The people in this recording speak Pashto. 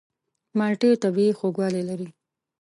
مالټې طبیعي خوږوالی لري.